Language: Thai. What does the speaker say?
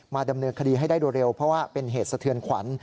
ดำเนินคดีให้ได้โดยเร็วเพราะว่าเป็นเหตุสะเทือนขวัญ